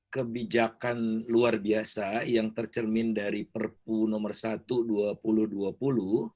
kebijakan luar biasa yang tercermin dari perpu nomor satu